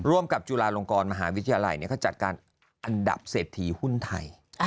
กับจุฬาลงกรมหาวิทยาลัยเขาจัดการอันดับเศรษฐีหุ้นไทย